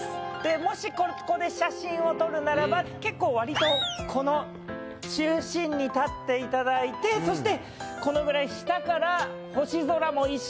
もしここで写真を撮るならば結構割とこの中心に立っていただいてそしてこのぐらい下から星空も一緒に。